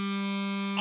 あ！